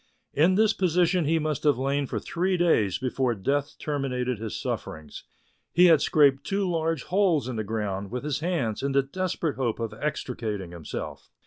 In this position he must have lain for three days before death terminated his sufferings ; he had scraped two large holes in the ground with his hands in the desperate hope of extricating himself.